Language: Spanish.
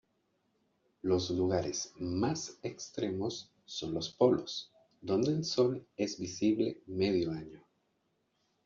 Los lugares más extremos son los polos, donde el Sol es visible medio año.